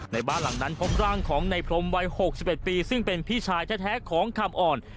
ในบ้านหลังนั้นพบร่างของในพรมวัย๖๑ปีซึ่งเป็นพี่ชายแท้ของคำอ่อน